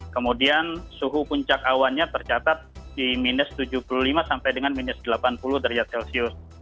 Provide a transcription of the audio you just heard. kemudian suhu puncak awannya tercatat di minus tujuh puluh lima sampai dengan minus delapan puluh derajat celcius